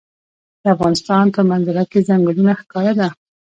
د افغانستان په منظره کې ځنګلونه ښکاره ده.